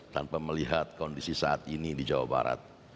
tanpa melihat kondisi saat ini di jawa barat